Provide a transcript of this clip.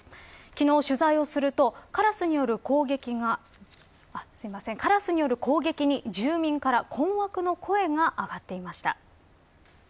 昨日、取材をするとカラスによる攻撃に住民から困惑の声が上がっていました。